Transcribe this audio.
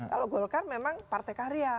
kalau golkar memang partai karya